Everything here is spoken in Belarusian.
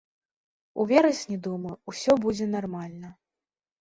У верасні, думаю, усё будзе нармальна.